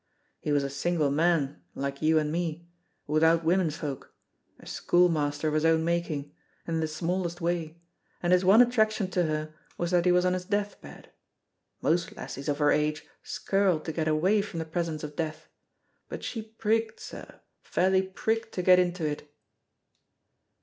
He was a single man (like you and me), without womenfolk, a school master of his own making, and in the smallest way, and his one attraction to her was that he was on his death bed. Most lassies of her age skirl to get away from the presence of death, but she prigged, sir, fairly prigged, to get into it!"